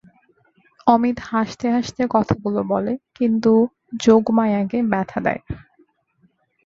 অমিত হাসতে হাসতে কথাগুলো বলে, কিন্তু যোগমায়াকে ব্যথা দেয়।